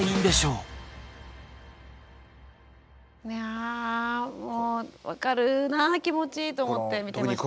あもう分かるな気持ちと思って見てました。